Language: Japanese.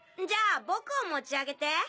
じゃあ僕を持ち上げて！